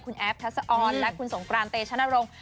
คุณแอฟทัศออนและคุณสงกรานเตชนรงค์